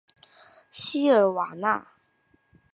西尔瓦内。